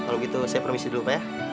kalau gitu saya permisi dulu pak ya